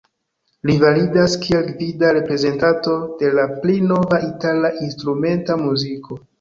Li validas kiel gvida reprezentanto de la pli nova itala instrumenta muziko.